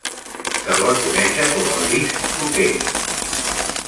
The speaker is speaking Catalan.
Se'l va conèixer com "el disc d'hoquei".